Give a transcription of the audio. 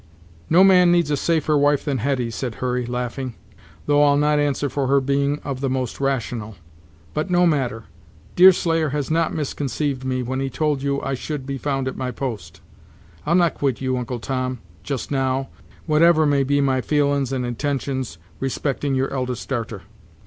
"No man needs a safer wife than Hetty," said Hurry, laughing, "though I'll not answer for her being of the most rational. But no matter; Deerslayer has not misconceived me, when he told you I should be found at my post. I'll not quit you, Uncle Tom, just now, whatever may be my feelin's and intentions respecting your eldest darter."